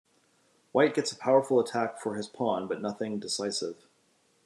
White gets a powerful attack for his pawn but nothing decisive.